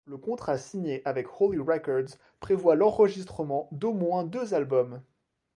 Le contrat signé avec Holy Records prévoit l'enregistrement d'au moins deux albums.